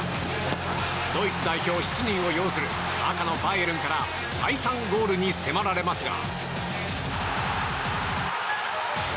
ドイツ代表７人を擁する赤のバイエルンから再三、ゴールに迫られますが。